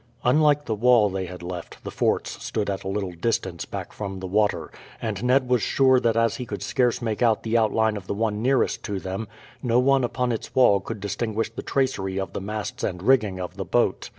Unlike the wall they had left, the forts stood at a little distance back from the water, and Ned was sure that as he could scarce make out the outline of the one nearest to them, no one upon its wall could distinguish the tracery of the masts and rigging of the boat.